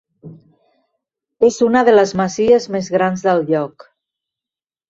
És una de les masies més grans del lloc.